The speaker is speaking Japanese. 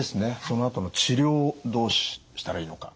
そのあとの治療をどうしたらいいのか。